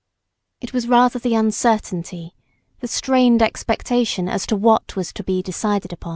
It was rather the uncertainty, the strained expectation as to what was to be decided upon.